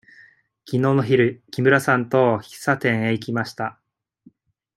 きのうの昼、木村さんと喫茶店へ行きました。